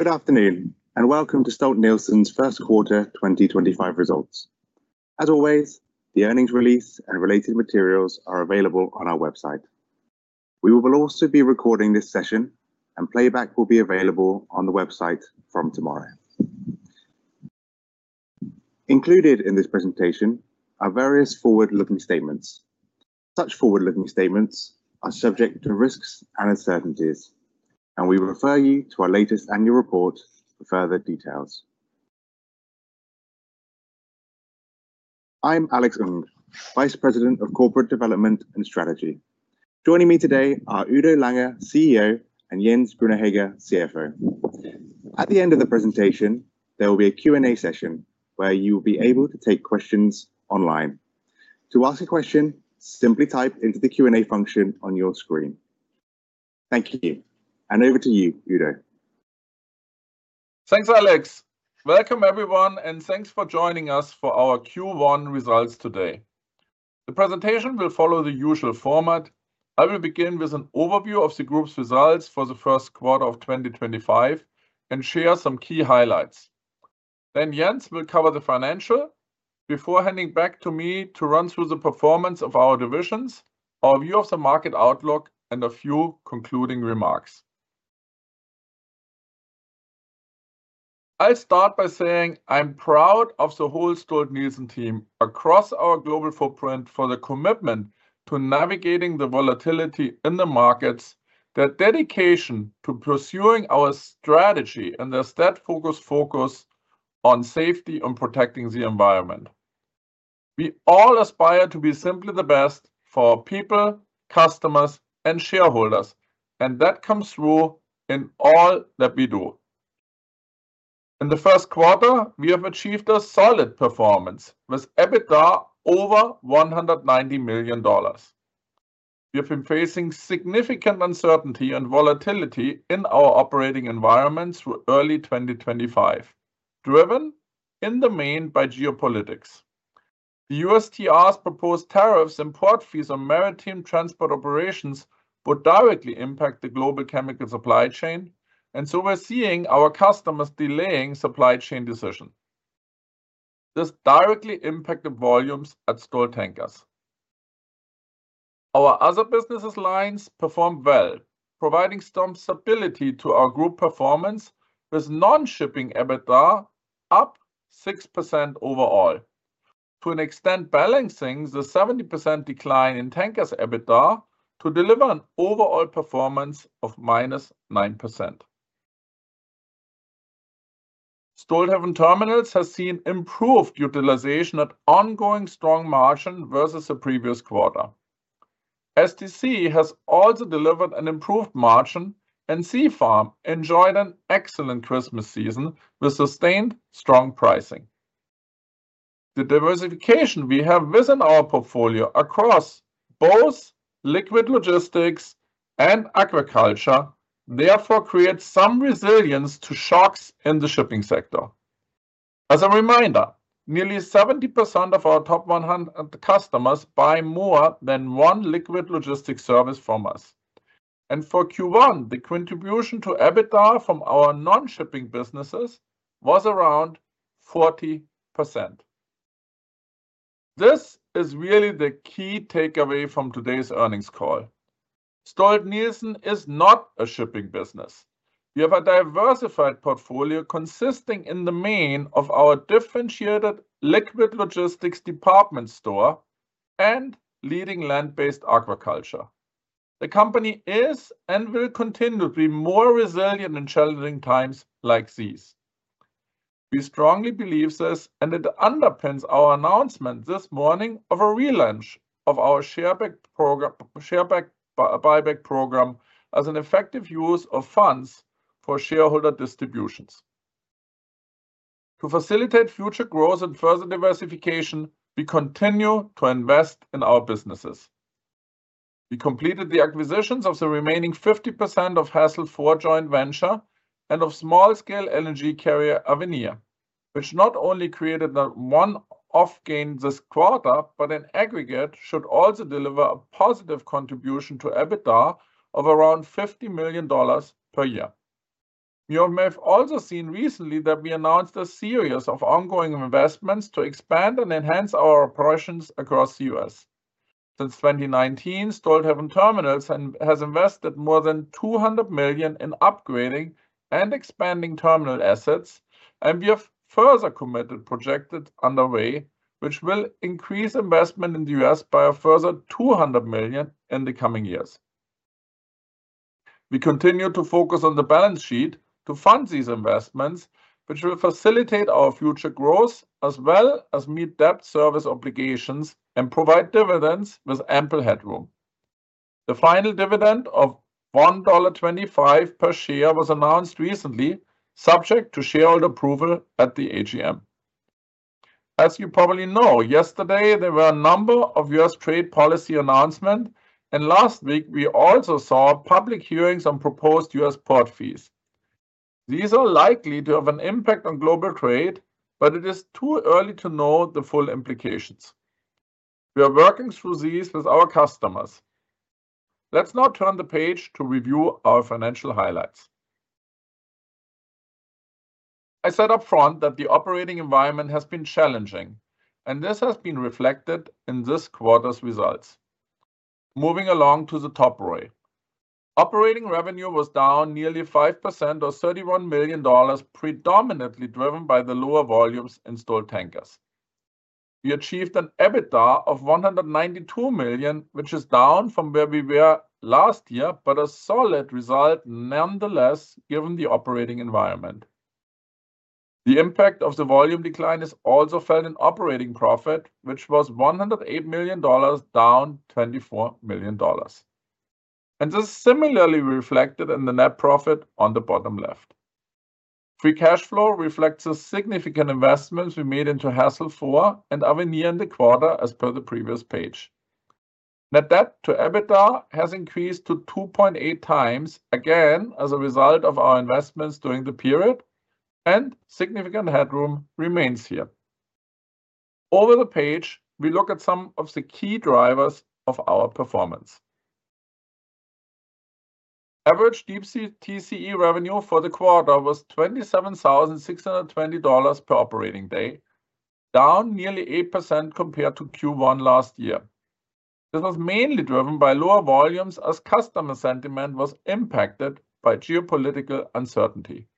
Good afternoon, and welcome to Stolt-Nielsen's first quarter 2025 results. As always, the earnings release and related materials are available on our website. We will also be recording this session, and playback will be available on the website from tomorrow. Included in this presentation are various forward-looking statements. Such forward-looking statements are subject to risks and uncertainties, and we refer you to our latest annual report for further details. I'm Alex Ng, Vice President of Corporate Development and Strategy. Joining me today are Udo Lange, CEO, and Jens Grüner-Hegge, CFO. At the end of the presentation, there will be a Q&A session where you will be able to take questions online. To ask a question, simply type into the Q&A function on your screen. Thank you, and over to you, Udo. Thanks, Alex. Welcome, everyone, and thanks for joining us for our Q1 results today. The presentation will follow the usual format. I will begin with an overview of the group's results for the first quarter of 2025 and share some key highlights. Then Jens will cover the financials before handing back to me to run through the performance of our divisions, our view of the market outlook, and a few concluding remarks. I'll start by saying I'm proud of the whole Stolt-Nielsen team across our global footprint for the commitment to navigating the volatility in the markets, their dedication to pursuing our strategy, and their steadfast focus on safety and protecting the environment. We all aspire to be simply the best for our people, customers, and shareholders, and that comes through in all that we do. In the first quarter, we have achieved a solid performance with EBITDA over $190 million. We have been facing significant uncertainty and volatility in our operating environments through early 2025, driven in the main by geopolitics. The USTR's proposed tariffs and port fees on maritime transport operations would directly impact the global chemical supply chain, and we are seeing our customers delaying supply chain decisions. This directly impacted volumes at Stolt Tankers. Our other business lines performed well, providing some stability to our group performance with non-shipping EBITDA up 6% overall, to an extent balancing the 70% decline in tankers' EBITDA to deliver an overall performance of minus 9%. Stolthaven Terminals have seen improved utilization at ongoing strong margin versus the previous quarter. STC has also delivered an improved margin, and Stolt Sea Farm enjoyed an excellent Christmas season with sustained strong pricing. The diversification we have within our portfolio across both liquid logistics and aquaculture therefore creates some resilience to shocks in the shipping sector. As a reminder, nearly 70% of our top 100 customers buy more than one liquid logistics service from us, and for Q1, the contribution to EBITDA from our non-shipping businesses was around 40%. This is really the key takeaway from today's earnings call. Stolt-Nielsen is not a shipping business. We have a diversified portfolio consisting in the main of our differentiated liquid logistics department store and leading land-based aquaculture. The company is and will continue to be more resilient in challenging times like these. We strongly believe this, and it underpins our announcement this morning of a relaunch of our share buyback program as an effective use of funds for shareholder distributions. To facilitate future growth and further diversification, we continue to invest in our businesses. We completed the acquisitions of the remaining 50% of Hasle Fjord Joint Venture and of small-scale LNG carrier Avenir, which not only created one-off gain this quarter, but in aggregate should also deliver a positive contribution to EBITDA of around $50 million per year. You may have also seen recently that we announced a series of ongoing investments to expand and enhance our operations across the U.S. Since 2019, Stolthaven Terminals have invested more than $200 million in upgrading and expanding terminal assets, and we have further committed projects underway, which will increase investment in the U.S. by a further $200 million in the coming years. We continue to focus on the balance sheet to fund these investments, which will facilitate our future growth as well as meet debt service obligations and provide dividends with ample headroom. The final dividend of $1.25 per share was announced recently, subject to shareholder approval at the AGM. As you probably know, yesterday there were a number of U.S. trade policy announcements, and last week we also saw public hearings on proposed U.S. port fees. These are likely to have an impact on global trade, but it is too early to know the full implications. We are working through these with our customers. Let's now turn the page to review our financial highlights. I said upfront that the operating environment has been challenging, and this has been reflected in this quarter's results. Moving along to the top row, operating revenue was down nearly 5% or $31 million, predominantly driven by the lower volumes in Stolt Tankers. We achieved an EBITDA of $192 million, which is down from where we were last year, but a solid result nonetheless given the operating environment. The impact of the volume decline is also felt in operating profit, which was $108 million, down $24 million. This is similarly reflected in the net profit on the bottom left. Free cash flow reflects the significant investments we made into Hasle Fjord and Avenir in the quarter, as per the previous page. Net debt to EBITDA has increased to 2.8 times, again as a result of our investments during the period, and significant headroom remains here. Over the page, we look at some of the key drivers of our performance. Average TCE revenue for the quarter was $27,620 per operating day, down nearly 8% compared to Q1 last year. This was mainly driven by lower volumes as customer sentiment was impacted by geopolitical uncertainty.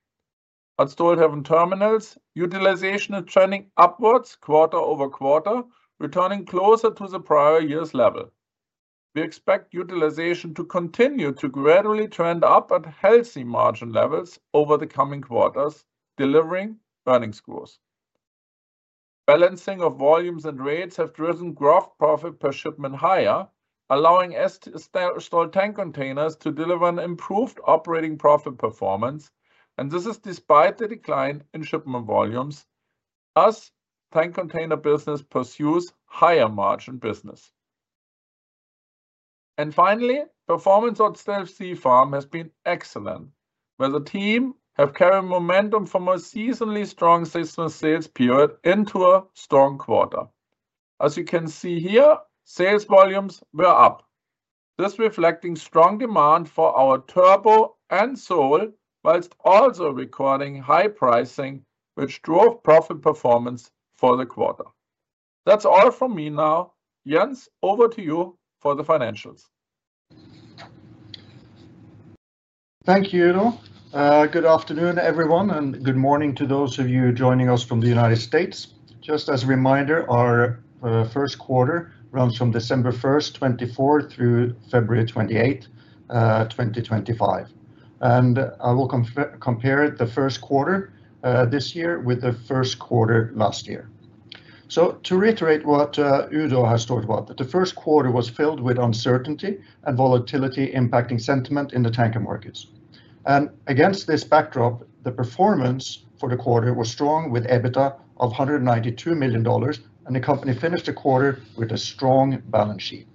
At Stolthaven terminals, utilization is trending upwards quarter over quarter, returning closer to the prior year's level. We expect utilization to continue to gradually trend up at healthy margin levels over the coming quarters, delivering earnings growth. Balancing of volumes and rates have driven gross profit per shipment higher, allowing Stolt Tank Containers to deliver an improved operating profit performance, and this is despite the decline in shipment volumes. Thus, the tank container business pursues higher margin business. Finally, performance at Stolt Sea Farm has been excellent, where the team have carried momentum from a seasonally strong sales period into a strong quarter. As you can see here, sales volumes were up, this reflecting strong demand for our turbot and sole, while also recording high pricing, which drove profit performance for the quarter. That's all from me now. Jens, over to you for the financials. Thank you, Udo. Good afternoon, everyone, and good morning to those of you joining us from the United States. Just as a reminder, our first quarter runs from December 1, 2024, through February 28, 2025. I will compare the first quarter this year with the first quarter last year. To reiterate what Udo has talked about, the first quarter was filled with uncertainty and volatility impacting sentiment in the tanker markets. Against this backdrop, the performance for the quarter was strong with EBITDA of $192 million, and the company finished the quarter with a strong balance sheet.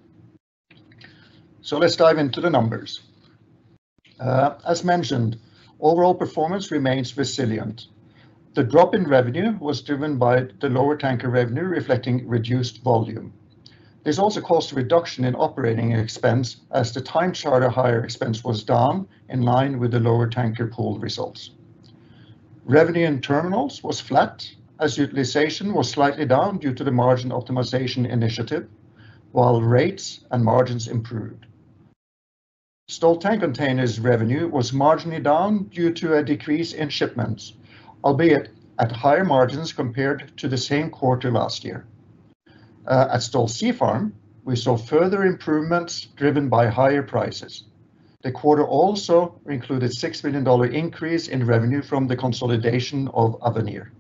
Let's dive into the numbers. As mentioned, overall performance remains resilient. The drop in revenue was driven by the lower tanker revenue, reflecting reduced volume. This also caused a reduction in operating expense as the time charter hire expense was down in line with the lower tanker pool results. Revenue in terminals was flat, as utilization was slightly down due to the margin optimization initiative, while rates and margins improved. Stolt Tank Containers' revenue was marginally down due to a decrease in shipments, albeit at higher margins compared to the same quarter last year. At Stolt Sea Farm, we saw further improvements driven by higher prices. The quarter also included a $6 million increase in revenue from the consolidation of Avenir.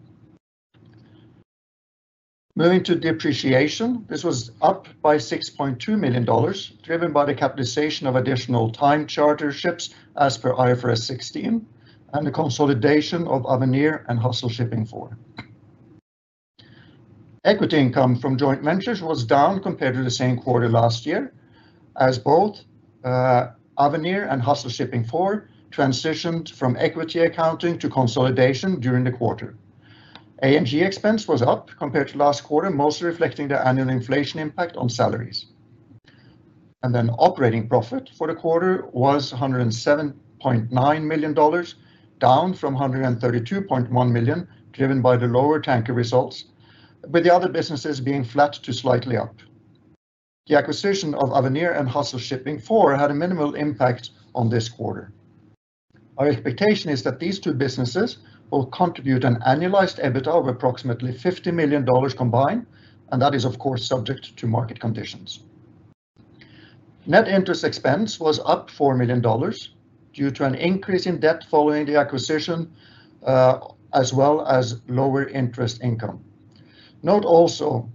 Moving to depreciation, this was up by $6.2 million, driven by the capitalization of additional time charter ships as per IFRS 16 and the consolidation of Avenir and Hassel Shipping IV. Equity income from joint ventures was down compared to the same quarter last year, as both Avenir and Hassel Shipping IV transitioned from equity accounting to consolidation during the quarter. A&G expense was up compared to last quarter, mostly reflecting the annual inflation impact on salaries. Operating profit for the quarter was $107.9 million, down from $132.1 million, driven by the lower tanker results, with the other businesses being flat to slightly up. The acquisition of Avenir and Hassel Shipping IV had a minimal impact on this quarter. Our expectation is that these two businesses will contribute an annualized EBITDA of approximately $50 million combined, and that is, of course, subject to market conditions. Net interest expense was up $4 million due to an increase in debt following the acquisition, as well as lower interest income. Note also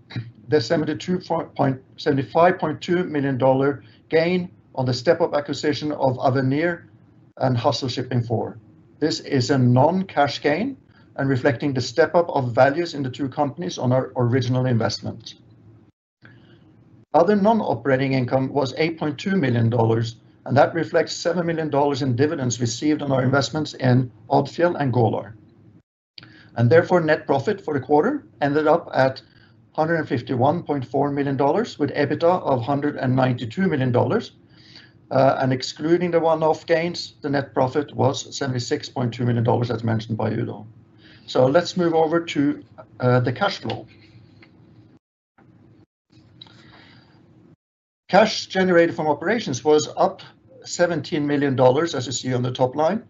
the $75.2 million gain on the step-up acquisition of Avenir and Hassel Shipping IV. This is a non-cash gain and reflecting the step-up of values in the two companies on our original investment. Other non-operating income was $8.2 million, and that reflects $7 million in dividends received on our investments in Odfjell and Golar. Therefore, net profit for the quarter ended up at $151.4 million, with EBITDA of $192 million. Excluding the one-off gains, the net profit was $76.2 million, as mentioned by Udo. Let's move over to the cash flow. Cash generated from operations was up $17 million, as you see on the top line,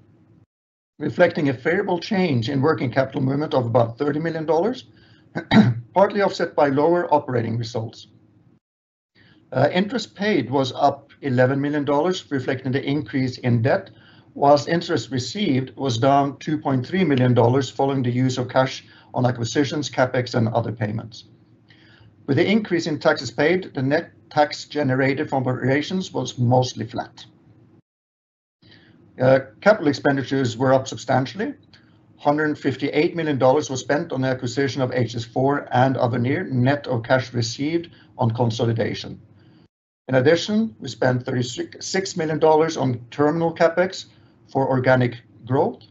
reflecting a favorable change in working capital movement of about $30 million, partly offset by lower operating results. Interest paid was up $11 million, reflecting the increase in debt, whilst interest received was down $2.3 million following the use of cash on acquisitions, CapEx, and other payments. With the increase in taxes paid, the net tax generated from operations was mostly flat. Capital expenditures were up substantially. $158 million was spent on the Hassel Shipping IV and Avenir, net of cash received on consolidation. In addition, we spent $36 million on terminal CapEx for organic growth,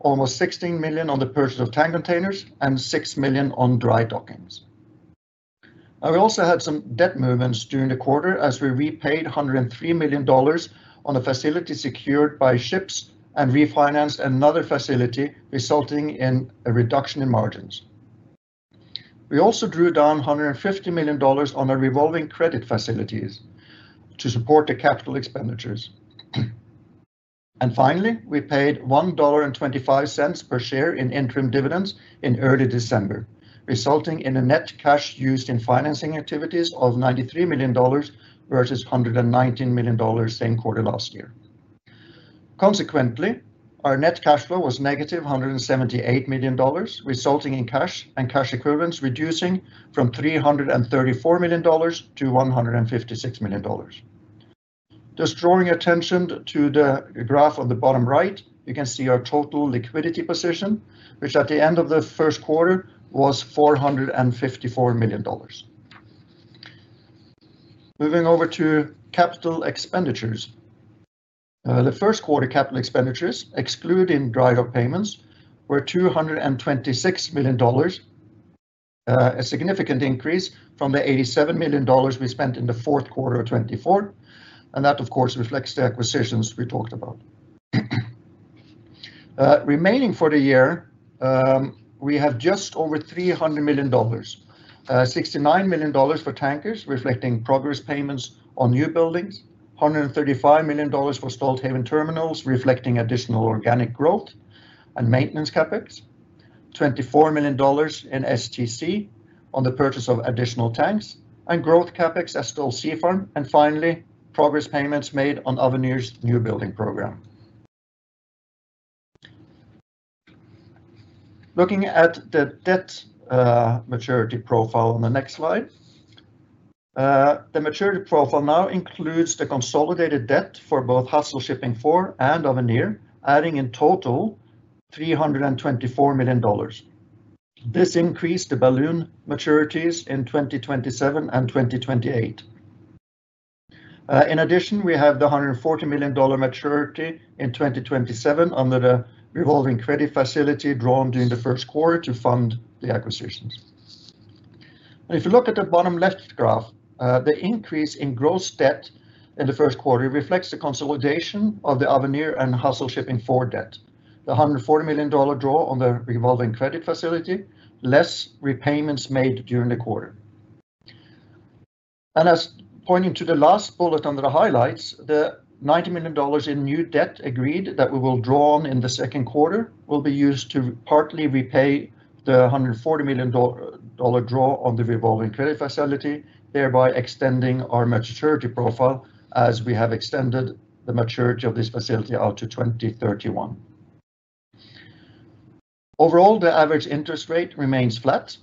almost $16 million on the purchase of tank containers, and $6 million on dry dockings. We also had some debt movements during the quarter as we repaid $103 million on a facility secured by ships and refinanced another facility, resulting in a reduction in margins. We also drew down $150 million on our revolving credit facilities to support the capital expenditures. Finally, we paid $1.25 per share in interim dividends in early December, resulting in a net cash used in financing activities of $93 million versus $119 million same quarter last year. Consequently, our net cash flow was negative $178 million, resulting in cash and cash equivalents reducing from $334 million to $156 million. Just drawing attention to the graph on the bottom right, you can see our total liquidity position, which at the end of the first quarter was $454 million. Moving over to capital expenditures. The first quarter capital expenditures, excluding dry dock payments, were $226 million, a significant increase from the $87 million we spent in the fourth quarter of 2024, and that, of course, reflects the acquisitions we talked about. Remaining for the year, we have just over $300 million, $69 million for tankers, reflecting progress payments on new buildings, $135 million for Stolthaven Terminals, reflecting additional organic growth and maintenance CapEx, $24 million in Stolt Tank Containers on the purchase of additional tanks, and growth CapEx at Stolt Sea Farm, and finally, progress payments made on Avenir's new building program. Looking at the debt maturity profile on the next slide, the maturity profile now includes the consolidated debt for both Hassel Shipping IV and Avenir, adding in total $324 million. This increased the balloon maturities in 2027 and 2028. In addition, we have the $140 million maturity in 2027 under the revolving credit facility drawn during the first quarter to fund the acquisitions. If you look at the bottom left graph, the increase in gross debt in the first quarter reflects the consolidation of the Avenir and Hassel Shipping IV debt, the $140 million draw on the revolving credit facility, less repayments made during the quarter. As pointing to the last bullet under the highlights, the $90 million in new debt agreed that we will draw on in the second quarter will be used to partly repay the $140 million draw on the revolving credit facility, thereby extending our maturity profile as we have extended the maturity of this facility out to 2031. Overall, the average interest rate remains flat,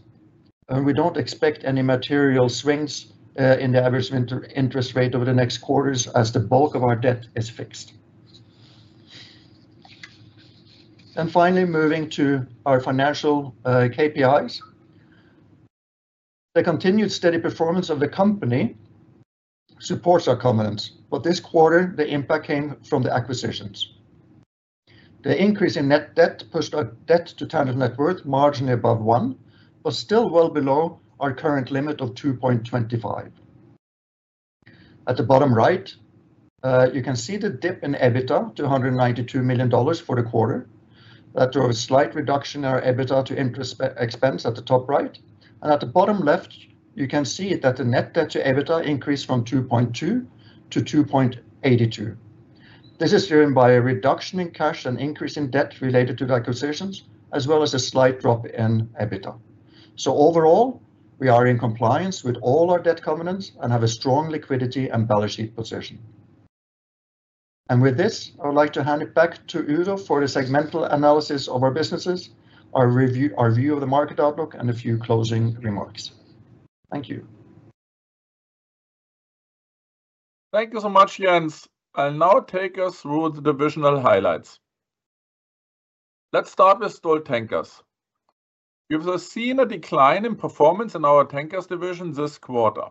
and we do not expect any material swings in the average interest rate over the next quarters as the bulk of our debt is fixed. Finally, moving to our financial KPIs. The continued steady performance of the company supports our comments, but this quarter, the impact came from the acquisitions. The increase in net debt pushed our debt to tangible net worth marginally above one, but still well below our current limit of $2.25. At the bottom right, you can see the dip in EBITDA to $192 million for the quarter. That drove a slight reduction in our EBITDA to interest expense at the top right. At the bottom left, you can see that the net debt to EBITDA increased from $2.2 to $2.82. This is driven by a reduction in cash and increase in debt related to the acquisitions, as well as a slight drop in EBITDA. Overall, we are in compliance with all our debt covenants and have a strong liquidity and balance sheet position. With this, I would like to hand it back to Udo for the segmental analysis of our businesses, our review of the market outlook, and a few closing remarks. Thank you. Thank you so much, Jens. I'll now take us through the divisional highlights. Let's start with Stolt Tankers. You've seen a decline in performance in our tankers division this quarter.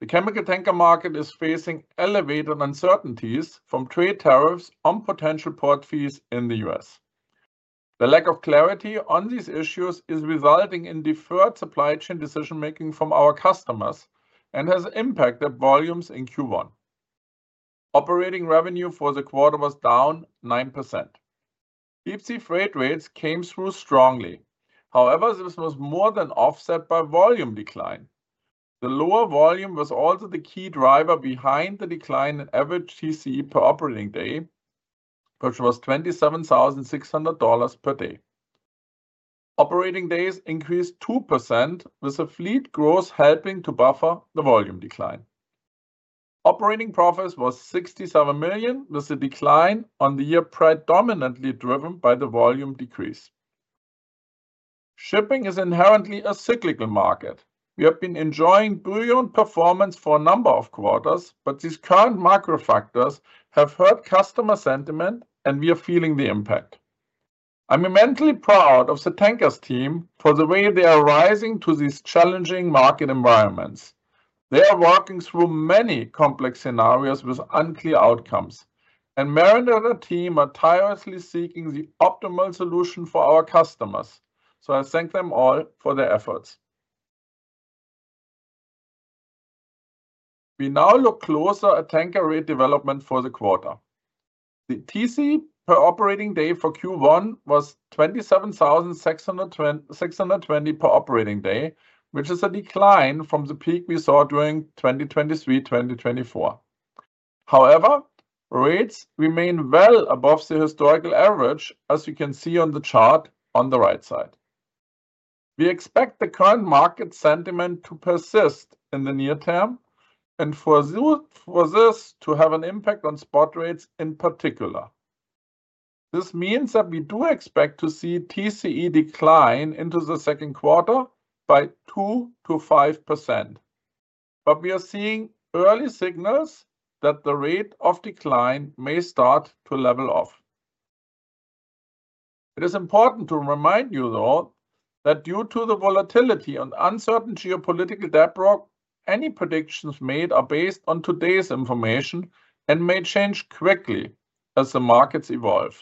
The chemical tanker market is facing elevated uncertainties from trade tariffs on potential port fees in the U.S. The lack of clarity on these issues is resulting in deferred supply chain decision-making from our customers and has impacted volumes in Q1. Operating revenue for the quarter was down 9%. Deep-sea freight rates came through strongly. However, this was more than offset by volume decline. The lower volume was also the key driver behind the decline in average TCE per operating day, which was $27,600 per day. Operating days increased 2%, with the fleet growth helping to buffer the volume decline. Operating profits were $67 million, with the decline on the year predominantly driven by the volume decrease. Shipping is inherently a cyclical market. We have been enjoying booyant performance for a number of quarters, but these current macro factors have hurt customer sentiment, and we are feeling the impact. I'm immensely proud of the tankers team for the way they are rising to these challenging market environments. They are working through many complex scenarios with unclear outcomes, and Maren and her team are tirelessly seeking the optimal solution for our customers. I thank them all for their efforts. We now look closer at tanker rate development for the quarter. The TCE per operating day for Q1 was $27,620 per operating day, which is a decline from the peak we saw during 2023-2024. However, rates remain well above the historical average, as you can see on the chart on the right side. We expect the current market sentiment to persist in the near term and for this to have an impact on spot rates in particular. This means that we do expect to see TCE decline into the second quarter by 2%-5%. We are seeing early signals that the rate of decline may start to level off. It is important to remind you, though, that due to the volatility and uncertain geopolitical backdrop, any predictions made are based on today's information and may change quickly as the markets evolve.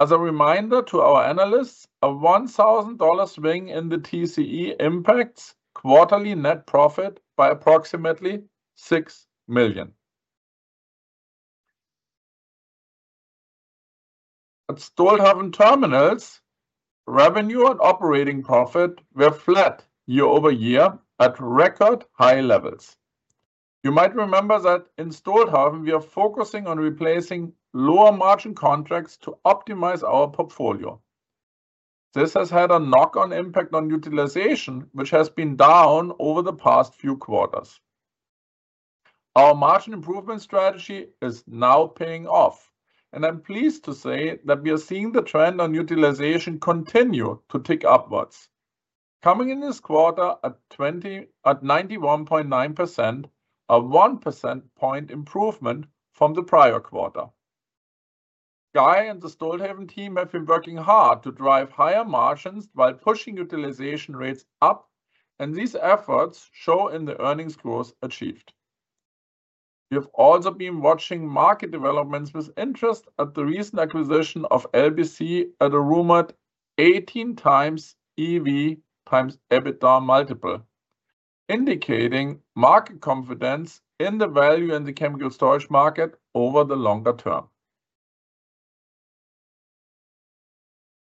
As a reminder to our analysts, a $1,000 swing in the TCE impacts quarterly net profit by approximately $6 million. At Stolthaven terminals, revenue and operating profit were flat year over year at record high levels. You might remember that in Stolthaven, we are focusing on replacing lower margin contracts to optimize our portfolio. This has had a knock-on impact on utilization, which has been down over the past few quarters. Our margin improvement strategy is now paying off, and I'm pleased to say that we are seeing the trend on utilization continue to tick upwards. Coming in this quarter at 91.9%, a 1 percentage point improvement from the prior quarter. Guy and the Stolthaven team have been working hard to drive higher margins while pushing utilization rates up, and these efforts show in the earnings growth achieved. We have also been watching market developments with interest at the recent acquisition of LBC at a rumored 18x EV/EBITDA multiple, indicating market confidence in the value and the chemical storage market over the longer term.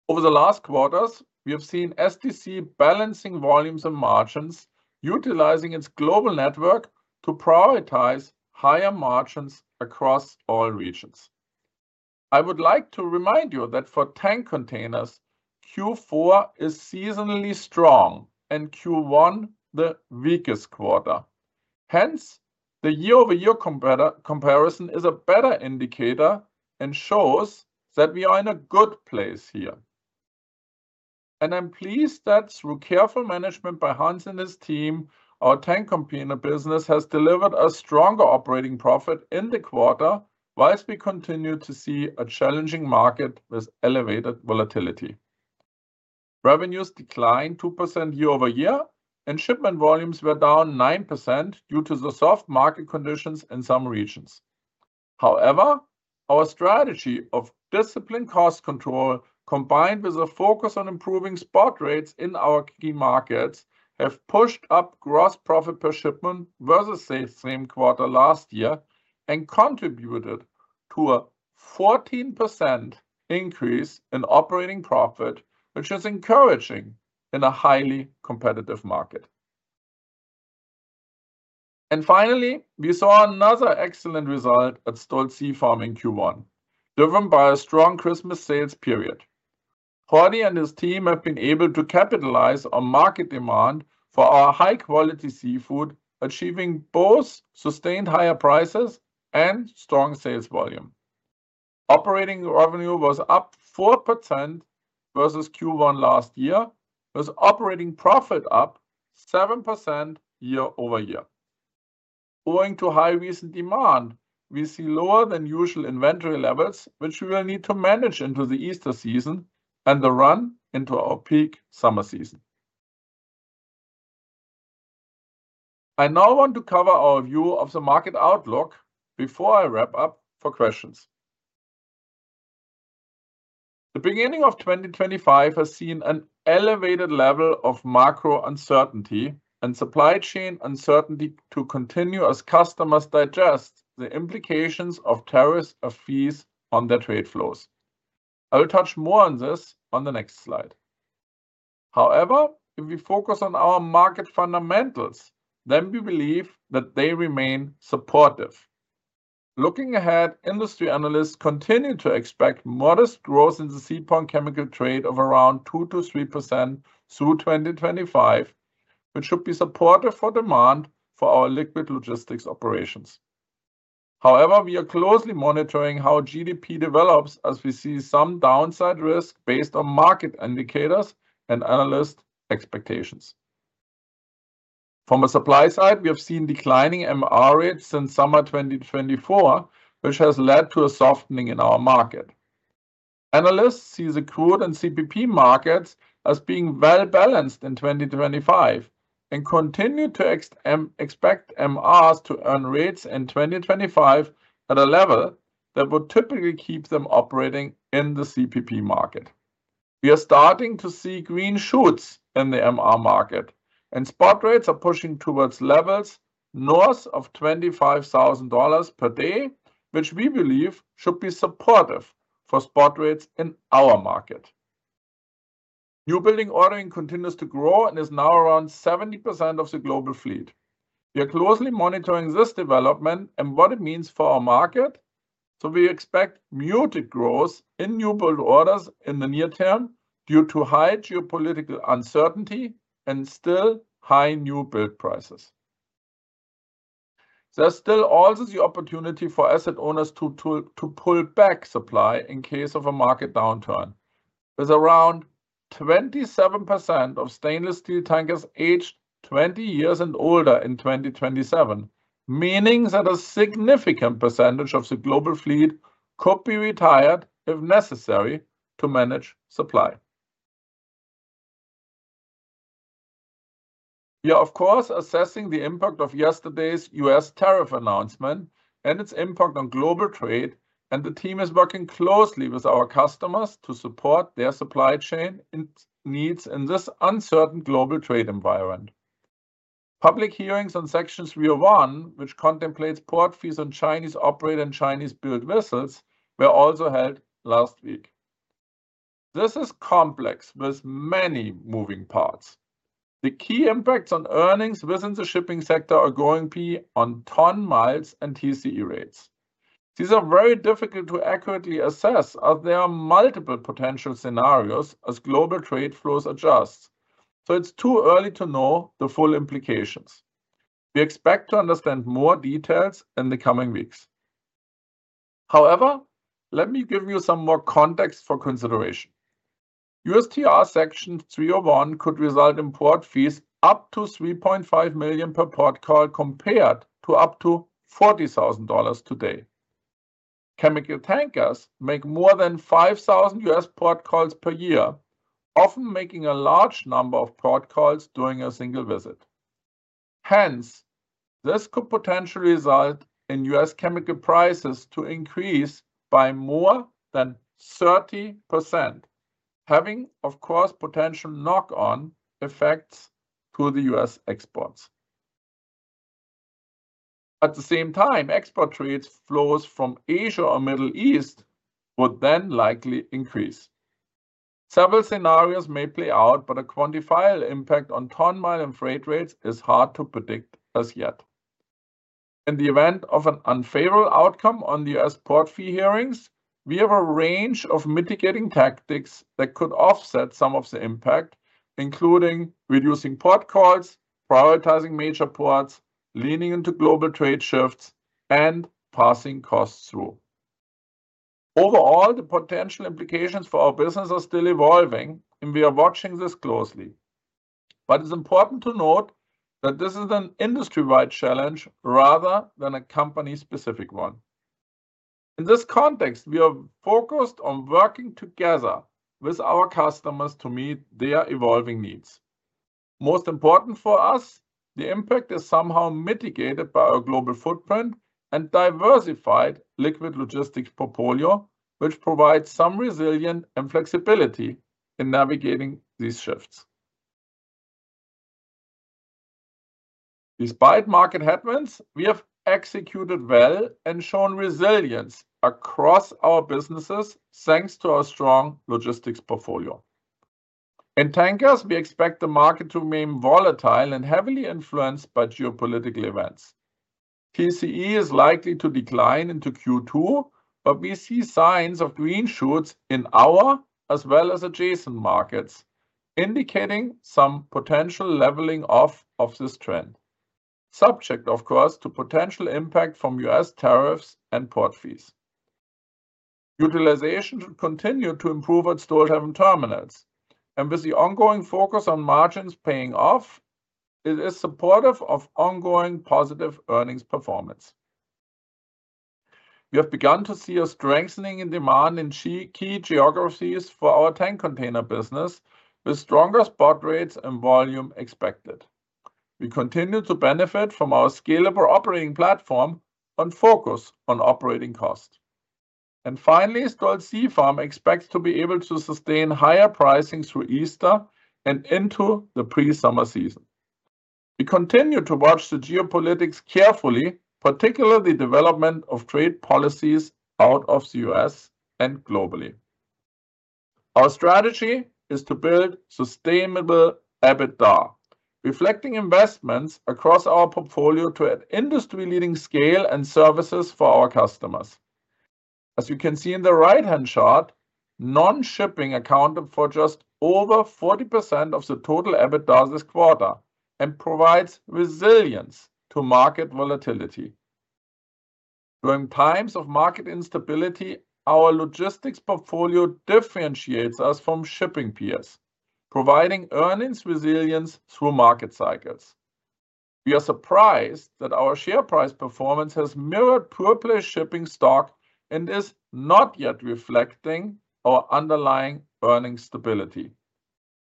Over the last quarters, we have seen STC balancing volumes and margins, utilizing its global network to prioritize higher margins across all regions. I would like to remind you that for tank containers, Q4 is seasonally strong and Q1 the weakest quarter. Hence, the year-over-year comparison is a better indicator and shows that we are in a good place here. I am pleased that through careful management by Hans and his team, our tank container business has delivered a stronger operating profit in the quarter whilst we continue to see a challenging market with elevated volatility. Revenues declined 2% year over year, and shipment volumes were down 9% due to the soft market conditions in some regions. However, our strategy of disciplined cost control, combined with a focus on improving spot rates in our key markets, have pushed up gross profit per shipment versus the same quarter last year and contributed to a 14% increase in operating profit, which is encouraging in a highly competitive market. We saw another excellent result at Stolt Sea Farm in Q1, driven by a strong Christmas sales period. Jordi and his team have been able to capitalize on market demand for our high-quality seafood, achieving both sustained higher prices and strong sales volume. Operating revenue was up 4% versus Q1 last year, with operating profit up 7% year over year. Owing to high recent demand, we see lower than usual inventory levels, which we will need to manage into the Easter season and the run into our peak summer season. I now want to cover our view of the market outlook before I wrap up for questions. The beginning of 2025 has seen an elevated level of macro uncertainty and supply chain uncertainty to continue as customers digest the implications of tariffs and fees on their trade flows. I will touch more on this on the next slide. However, if we focus on our market fundamentals, then we believe that they remain supportive. Looking ahead, industry analysts continue to expect modest growth in the seaborne chemical trade of around 2%-3% through 2025, which should be supportive for demand for our liquid logistics operations. However, we are closely monitoring how GDP develops as we see some downside risk based on market indicators and analyst expectations. From a supply side, we have seen declining MR rates since summer 2024, which has led to a softening in our market. Analysts see the crude and CPP markets as being well balanced in 2025 and continue to expect MRs to earn rates in 2025 at a level that would typically keep them operating in the CPP market. We are starting to see green shoots in the MR market, and spot rates are pushing towards levels north of $25,000 per day, which we believe should be supportive for spot rates in our market. New building ordering continues to grow and is now around 70% of the global fleet. We are closely monitoring this development and what it means for our market, so we expect muted growth in new build orders in the near term due to high geopolitical uncertainty and still high new build prices. There's still also the opportunity for asset owners to pull back supply in case of a market downturn, with around 27% of stainless steel tankers aged 20 years and older in 2027, meaning that a significant percentage of the global fleet could be retired if necessary to manage supply. We are, of course, assessing the impact of yesterday's U.S. tariff announcement and its impact on global trade, and the team is working closely with our customers to support their supply chain needs in this uncertain global trade environment. Public hearings on Section 301, which contemplates port fees on Chinese operated and Chinese built vessels, were also held last week. This is complex with many moving parts. The key impacts on earnings within the shipping sector are going to be on ton miles and TCE rates. These are very difficult to accurately assess as there are multiple potential scenarios as global trade flows adjust, so it's too early to know the full implications. We expect to understand more details in the coming weeks. However, let me give you some more context for consideration. USTR Section 301 could result in port fees up to $3.5 million per port call compared to up to $40,000 today. Chemical tankers make more than 5,000 US port calls per year, often making a large number of port calls during a single visit. Hence, this could potentially result in US chemical prices to increase by more than 30%, having, of course, potential knock-on effects to the US exports. At the same time, export trade flows from Asia or Middle East would then likely increase. Several scenarios may play out, but a quantifiable impact on ton mile and freight rates is hard to predict as yet. In the event of an unfavorable outcome on the US port fee hearings, we have a range of mitigating tactics that could offset some of the impact, including reducing port calls, prioritizing major ports, leaning into global trade shifts, and passing costs through. Overall, the potential implications for our business are still evolving, and we are watching this closely. It is important to note that this is an industry-wide challenge rather than a company-specific one. In this context, we are focused on working together with our customers to meet their evolving needs. Most important for us, the impact is somehow mitigated by our global footprint and diversified liquid logistics portfolio, which provides some resilience and flexibility in navigating these shifts. Despite market headwinds, we have executed well and shown resilience across our businesses thanks to our strong logistics portfolio. In tankers, we expect the market to remain volatile and heavily influenced by geopolitical events. TCE is likely to decline into Q2, but we see signs of green shoots in our as well as adjacent markets, indicating some potential leveling off of this trend, subject, of course, to potential impact from U.S. tariffs and port fees. Utilization should continue to improve at Stolthaven terminals, and with the ongoing focus on margins paying off, it is supportive of ongoing positive earnings performance. We have begun to see a strengthening in demand in key geographies for our tank container business, with stronger spot rates and volume expected. We continue to benefit from our scalable operating platform and focus on operating costs. Finally, Stolt Sea Farm expects to be able to sustain higher pricing through Easter and into the pre-summer season. We continue to watch the geopolitics carefully, particularly the development of trade policies out of the U.S. and globally. Our strategy is to build sustainable EBITDA, reflecting investments across our portfolio to an industry-leading scale and services for our customers. As you can see in the right-hand chart, non-shipping accounted for just over 40% of the total EBITDA this quarter and provides resilience to market volatility. During times of market instability, our logistics portfolio differentiates us from shipping peers, providing earnings resilience through market cycles. We are surprised that our share price performance has mirrored pure-play shipping stock and is not yet reflecting our underlying earnings stability.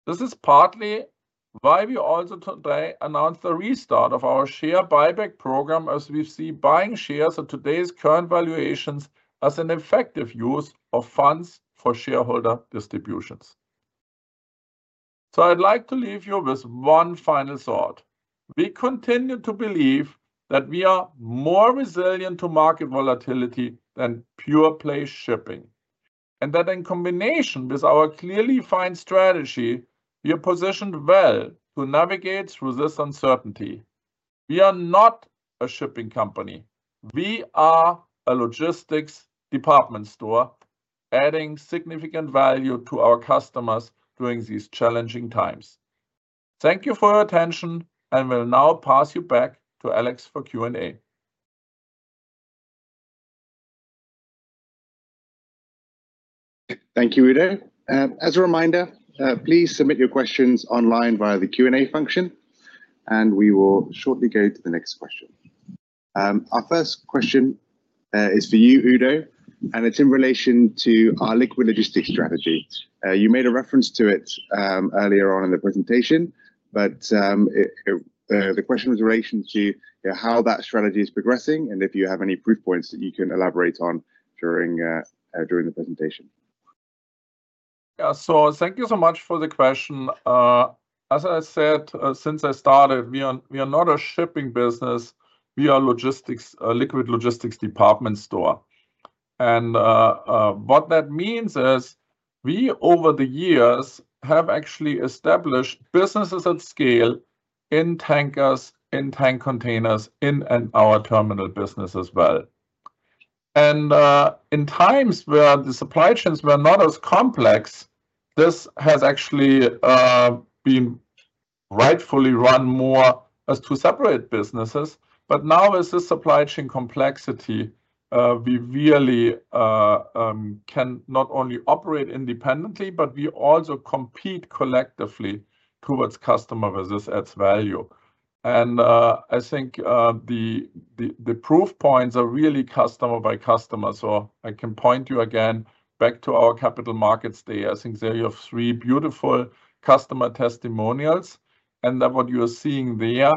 This is partly why we also today announced the restart of our share buyback program as we see buying shares at today's current valuations as an effective use of funds for shareholder distributions. I would like to leave you with one final thought. We continue to believe that we are more resilient to market volatility than pure-play shipping, and that in combination with our clearly defined strategy, we are positioned well to navigate through this uncertainty. We are not a shipping company. We are a logistics department store adding significant value to our customers during these challenging times. Thank you for your attention, and we'll now pass you back to Alex for Q&A. Thank you, Udo. As a reminder, please submit your questions online via the Q&A function, and we will shortly go to the next question. Our first question is for you, Udo, and it's in relation to our liquid logistics strategy. You made a reference to it earlier on in the presentation, but the question was in relation to how that strategy is progressing and if you have any proof points that you can elaborate on during the presentation. Yeah, thank you so much for the question. As I said, since I started, we are not a shipping business. We are a liquid logistics department store. What that means is we, over the years, have actually established businesses at scale in tankers, in tank containers, in our terminal business as well. In times where the supply chains were not as complex, this has actually been rightfully run more as two separate businesses. Now, with this supply chain complexity, we really can not only operate independently, but we also compete collectively towards customer versus adds value. I think the proof points are really customer by customer. I can point you again back to our capital markets day. I think there you have three beautiful customer testimonials, and what you are seeing there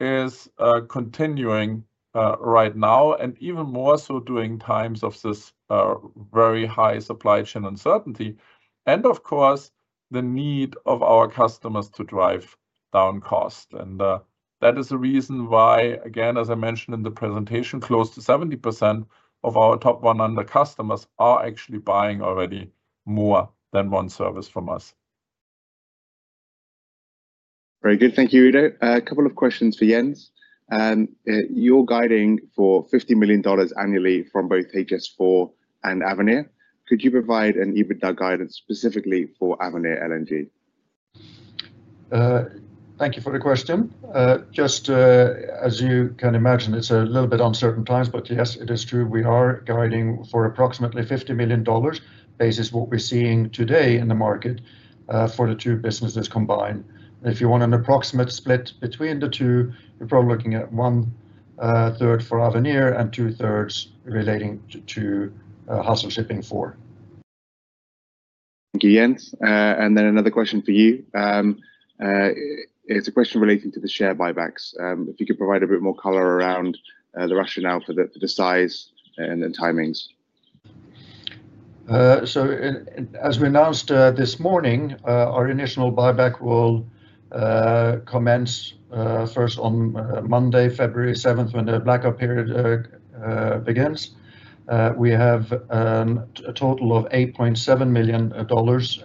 is continuing right now and even more so during times of this very high supply chain uncertainty and, of course, the need of our customers to drive down cost. That is the reason why, again, as I mentioned in the presentation, close to 70% of our top 100 customers are actually buying already more than one service from us. Very good. Thank you, Udo. A couple of questions for Jens. You're guiding for $50 million annually from both HS4 and Avenir. Could you provide an EBITDA guidance specifically for Avenir LNG? Thank you for the question. Just as you can imagine, it's a little bit uncertain times, but yes, it is true. We are guiding for approximately $50 million basis what we're seeing today in the market for the two businesses combined. If you want an approximate split between the two, we're probably looking at one third for Avenir and two thirds relating to Hassel Shipping 4. Thank you, Jens. Another question for you. It's a question relating to the share buybacks. If you could provide a bit more color around the rationale for the size and the timings. As we announced this morning, our initial buyback will commence first on Monday, February 7, when the blackout period begins. We have a total of $8.7 million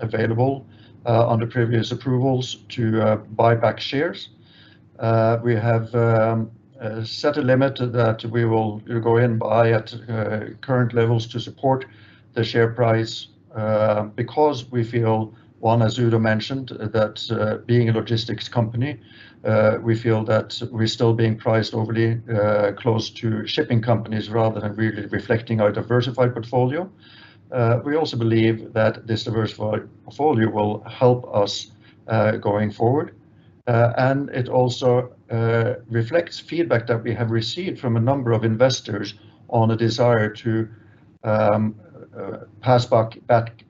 available under previous approvals to buy back shares. We have set a limit that we will go in and buy at current levels to support the share price because we feel, one, as Udo mentioned, that being a logistics company, we feel that we're still being priced overly close to shipping companies rather than really reflecting our diversified portfolio. We also believe that this diversified portfolio will help us going forward. It also reflects feedback that we have received from a number of investors on a desire to pass back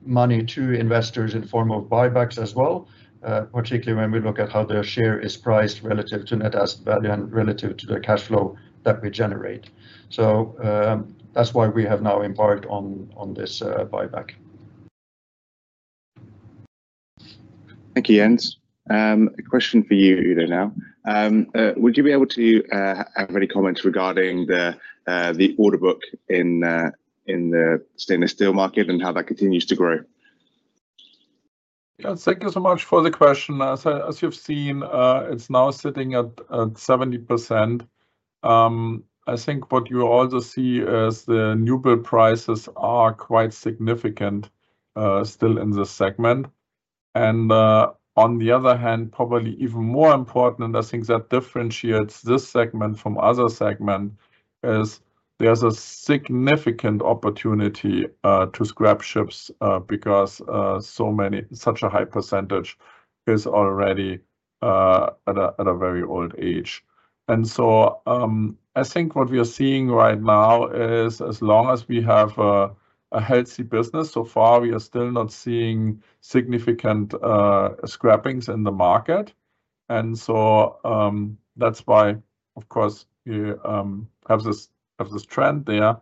money to investors in the form of buybacks as well, particularly when we look at how their share is priced relative to net asset value and relative to the cash flow that we generate. That is why we have now embarked on this buyback. Thank you, Jens. A question for you, Udo, now. Would you be able to have any comments regarding the order book in the stainless steel market and how that continues to grow? Yeah, thank you so much for the question. As you've seen, it's now sitting at 70%. I think what you also see is the new build prices are quite significant still in this segment. On the other hand, probably even more important, and I think that differentiates this segment from other segments, is there's a significant opportunity to scrap ships because such a high percentage is already at a very old age. I think what we are seeing right now is, as long as we have a healthy business, so far, we are still not seeing significant scrappings in the market. That is why, of course, we have this trend there.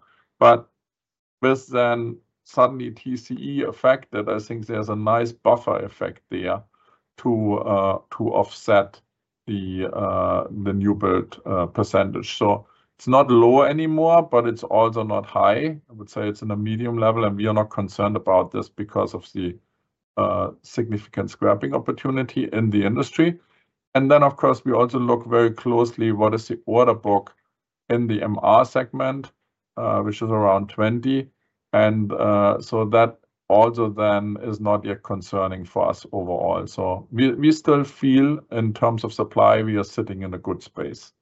With then suddenly TCE effected, I think there's a nice buffer effect there to offset the new build percentage. It is not low anymore, but it is also not high. I would say it is in a medium level, and we are not concerned about this because of the significant scrapping opportunity in the industry. Then, of course, we also look very closely at what is the order book in the MR segment, which is around 20. That also then is not yet concerning for us overall. We still feel, in terms of supply, we are sitting in a good space.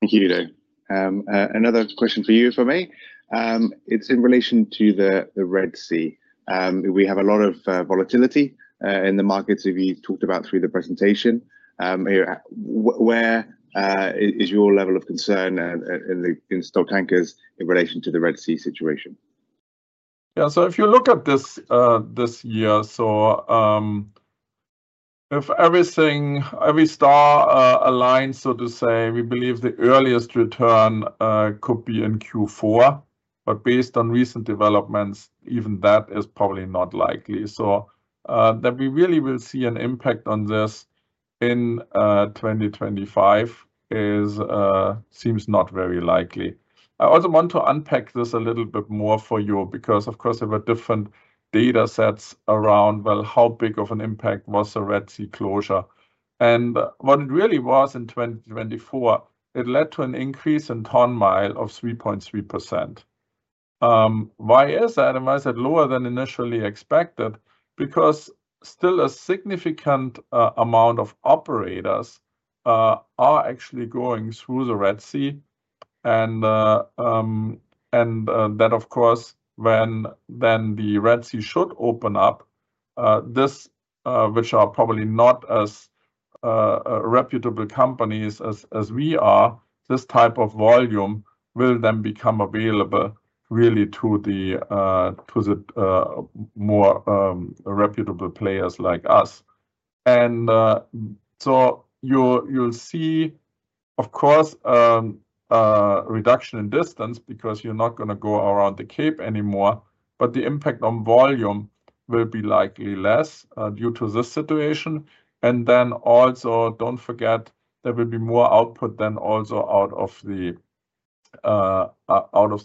Thank you, Udo. Another question for you from me. It is in relation to the Red Sea. We have a lot of volatility in the markets that we talked about through the presentation. Where is your level of concern in Stolt Tankers in relation to the Red Sea situation? Yeah, if you look at this year, if every star aligns, so to say, we believe the earliest return could be in Q4. Based on recent developments, even that is probably not likely. We really will see an impact on this in 2025 seems not very likely. I also want to unpack this a little bit more for you because, of course, there were different data sets around, well, how big of an impact was the Red Sea closure. What it really was in 2024, it led to an increase in ton mile of 3.3%. Why is that? And why is that lower than initially expected? Because still a significant amount of operators are actually going through the Red Sea. That, of course, when the Red Sea should open up, which are probably not as reputable companies as we are, this type of volume will then become available really to the more reputable players like us. You will see, of course, reduction in distance because you are not going to go around the cape anymore, but the impact on volume will be likely less due to this situation. Then also, don't forget, there will be more output then also out of the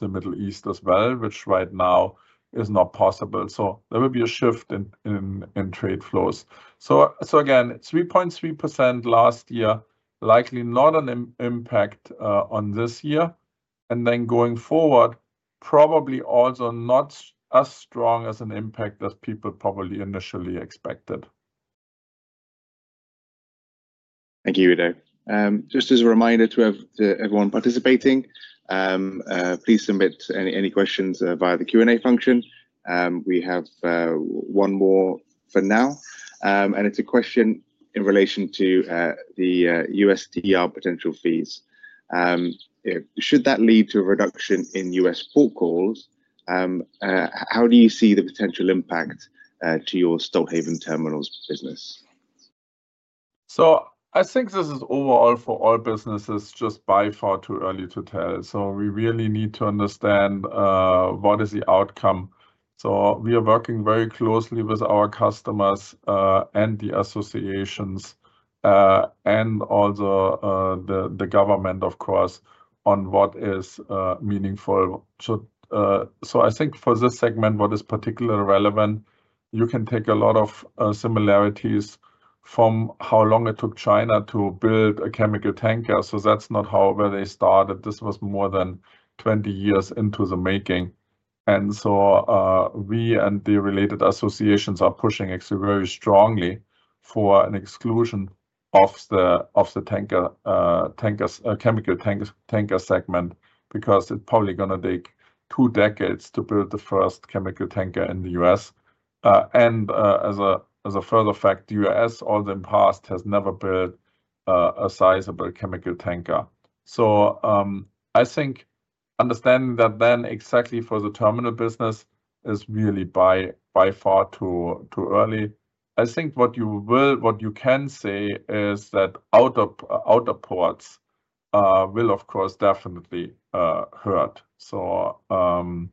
Middle East as well, which right now is not possible. There will be a shift in trade flows. Again, 3.3% last year, likely not an impact on this year. Going forward, probably also not as strong as an impact as people probably initially expected. Thank you, Udo. Just as a reminder to everyone participating, please submit any questions via the Q&A function. We have one more for now. It's a question in relation to the USTR potential fees. Should that lead to a reduction in US port calls, how do you see the potential impact to your Stolthaven terminals business? I think this is overall for all businesses just by far too early to tell. We really need to understand what is the outcome. We are working very closely with our customers and the associations and also the government, of course, on what is meaningful. I think for this segment, what is particularly relevant, you can take a lot of similarities from how long it took China to build a chemical tanker. That is not how they started. This was more than 20 years into the making. We and the related associations are pushing actually very strongly for an exclusion of the chemical tanker segment because it is probably going to take two decades to build the first chemical tanker in the U.S. As a further fact, the U.S., although in the past, has never built a sizable chemical tanker. I think understanding that then exactly for the terminal business is really by far too early. I think what you can say is that outer ports will, of course, definitely hurt. And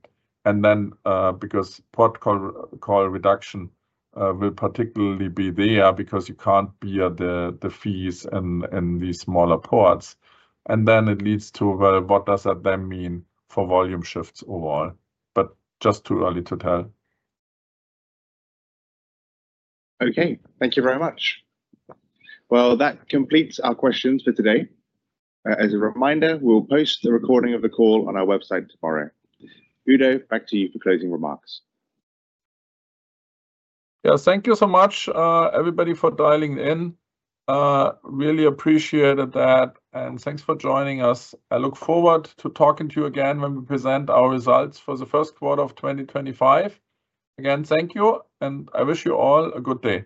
then because port call reduction will particularly be there because you can't bear the fees in these smaller ports. It leads to, well, what does that then mean for volume shifts overall? Just too early to tell. Okay. Thank you very much. That completes our questions for today. As a reminder, we'll post the recording of the call on our website tomorrow. Udo, back to you for closing remarks. Yeah, thank you so much, everybody, for dialing in. Really appreciated that. Thanks for joining us. I look forward to talking to you again when we present our results for the first quarter of 2025. Again, thank you, and I wish you all a good day.